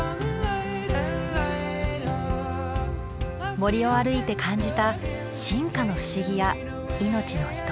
森を歩いて感じた進化の不思議や命のいとおしさ。